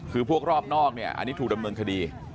คือพวกรอบนอกเนี่ยอันนี้ถูกดำเนินคดี